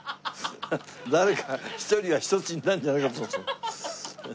誰か一人は１つになるんじゃないかと。